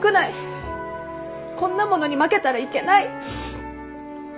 こんなものに負けたらいけない。